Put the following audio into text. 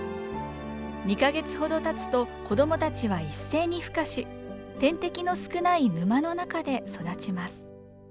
２か月ほどたつと子供たちは一斉にふ化し天敵の少ない沼の中で育ちます。